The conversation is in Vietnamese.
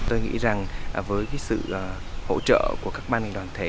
tôi nghĩ rằng với sự hỗ trợ của các ban ngành đoàn thể